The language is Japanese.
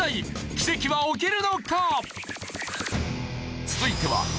奇跡は起きるのか？